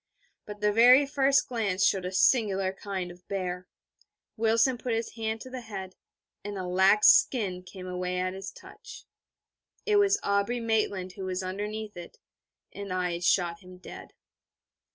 But the very first near glance showed a singular kind of bear. Wilson put his hand to the head, and a lax skin came away at his touch.... It was Aubrey Maitland who was underneath it, and I had shot him dead.